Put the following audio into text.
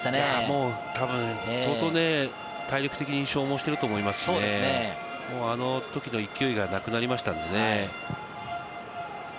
もう多分、体力的に消耗しているでしょうし、あのときの勢いがなくなりましたのでね。